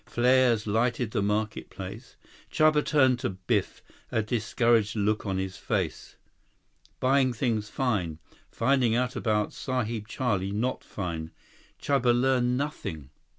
Flares lighted the market place. Chuba turned to Biff, a discouraged look on his face. "Buying things fine. Finding out about Sahib Charlie not fine. Chuba learn nothing."